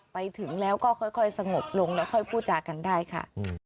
ไปถึงแล้วก็ค่อยสงบลงแล้วค่อยพูดจากันได้ค่ะ